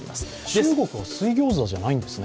中国は水ギョーザじゃないんですね？